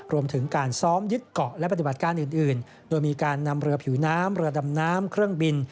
รวมถึงการซ้อมยึดเกาะและปฏิบัติการอื่นโดยมีการนำเรือผิวน้ำเรือดำน้ำเครื่องบิน